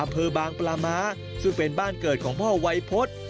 อเภอบางปลาหมาซึ่งเป็นบ้านเกิดของพ่อไวพจ